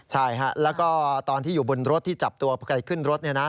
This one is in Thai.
ใช่แล้วก็ตอนที่อยู่บนรถที่จับตัวใครขึ้นรถ